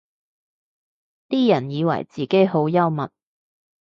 啲人以為自己好幽默